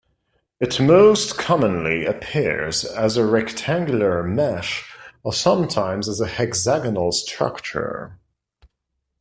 It most commonly appears as a rectangular mesh or sometimes as a hexagonal structure.